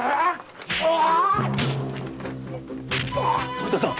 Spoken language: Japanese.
徳田さん！